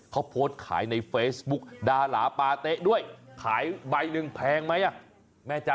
เขาโพสต์ขายในเฟซบุ๊กดาราปาเต๊ะด้วยขายใบหนึ่งแพงไหมอ่ะแม่จ๊ะ